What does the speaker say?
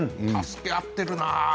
助け合ってるな。